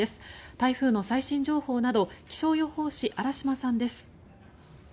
台風の最新情報など気象予報士、荒嶋さんです。